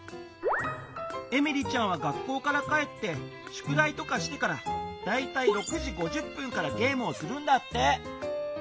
エミリちゃんは学校から帰ってしゅくだいとかしてからだいたい６時５０分からゲームをするんだって。